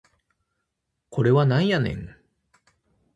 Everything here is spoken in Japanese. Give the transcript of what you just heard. これはなんやねん